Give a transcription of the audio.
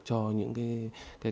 cho những cái